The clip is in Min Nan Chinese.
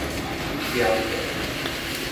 撩布